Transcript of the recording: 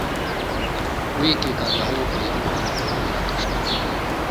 ویې کېکاږه، هغې پر ځان باندې پوړنی را کش کړ.